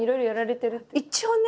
一応ね。